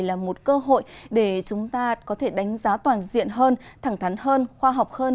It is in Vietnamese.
là một cơ hội để chúng ta có thể đánh giá toàn diện hơn thẳng thắn hơn khoa học hơn